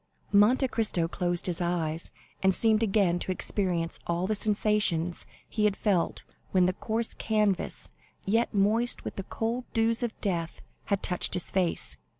Monte Cristo closed his eyes, and seemed again to experience all the sensations he had felt when the coarse canvas, yet moist with the cold dews of death, had touched his face.